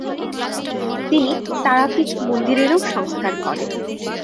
তিনি তারাপীঠ মন্দিরের ও সংস্কার করেন।